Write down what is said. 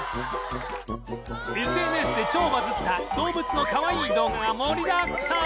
ＳＮＳ で超バズった動物のかわいい動画が盛りだくさん！